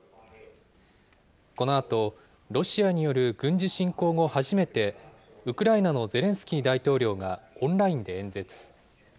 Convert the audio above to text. このあと、ロシアによる軍事侵攻後初めて、ウクライナのゼレンスキー大統領がオンラインで演説。